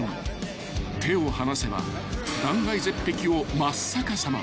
［手を離せば断崖絶壁を真っ逆さま］